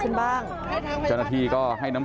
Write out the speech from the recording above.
เพื่อนบ้านเจ้าหน้าที่อำรวจกู้ภัย